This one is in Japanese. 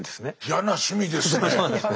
嫌な趣味ですね。